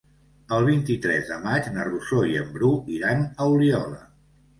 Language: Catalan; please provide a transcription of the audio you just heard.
El vint-i-tres de maig na Rosó i en Bru iran a Oliola.